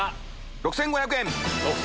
６５００円。